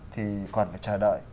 thì còn phải chờ đợi